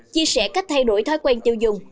chia sẻ cách thay đổi thói quen tiêu dùng